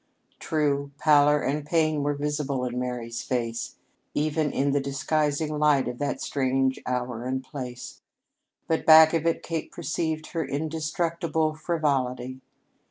True, pallor and pain were visible in Mary's face, even in the disguising light of that strange hour and place, but back of it Kate perceived her indestructible frivolity.